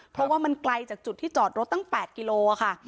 เพราะว่ามันไกลจากจุดที่จอดรถตั้ง๘กิโลค่ะ